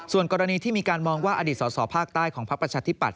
ส่วนกรณีที่มีการมองว่าอดีตสอสอภาคใต้ของพักประชาธิปัต